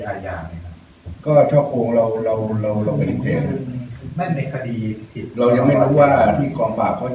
เราก็จะไปตามนักศึกษาเราจะไม่ได้แต่เรายอมรับว่าเราผิดจริงผิด